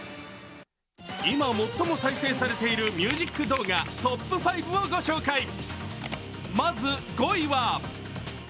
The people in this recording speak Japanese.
今最も再生されているミュージック動画トップ５を御紹介。